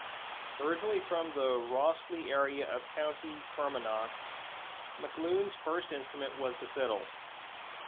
Originally from the Rosslea area of County Fermanagh, McAloon's first instrument was the fiddle.